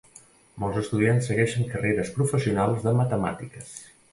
Molts estudiants segueixen carreres professionals de matemàtiques.